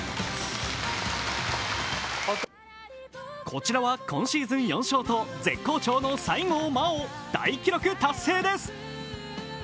こちらは今シーズン４勝と絶好調の西郷真央、大記録達成です。